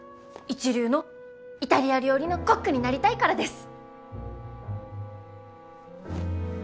一流のイタリア料理のコックになりたいからです！